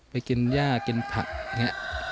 ไปกินย่ากินผักอย่างนี้